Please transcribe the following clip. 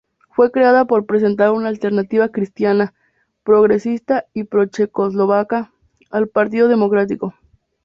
Fue creado para presentar una alternativa "cristiana, progresista y pro-checoslovaca" al Partido Democrático.